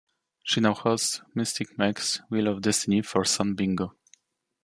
She now hosts Mystic Meg's Wheel of Destiny for Sun Bingo.